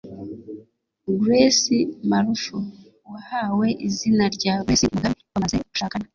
Grace Marufu wahawe izina rya Grace Mugabe bamaze gushakana